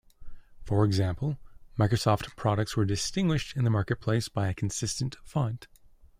For example, Microsoft products are distinguished in the marketplace by a consistent font.